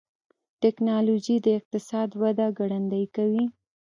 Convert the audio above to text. ټکنالوجي د اقتصاد وده ګړندۍ کوي.